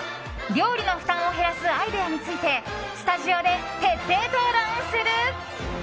料理の負担を減らすアイデアについてスタジオで徹底討論する。